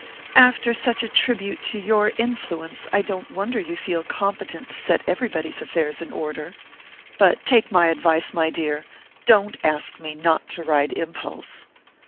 "After such a tribute to your influence I don't wonder you feel competent to set everybody's affairs in order! But take my advice, my dear don't ask me not to ride Impulse!"